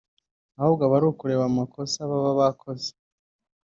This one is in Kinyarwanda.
ahubwo aba ari ukubera amakosa baba bakoze